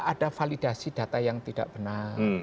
ada validasi data yang tidak benar